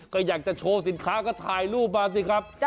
ก็อยากจะโชว์สินค้าก็ถ่ายรูปมาสิครับ